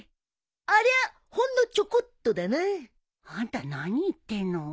ありゃほんのちょこっとだな。あんた何言ってんの。